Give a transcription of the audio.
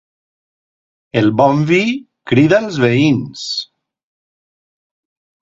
El bon vi crida els veïns.